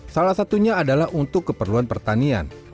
salah satunya adalah untuk keperluan pertanian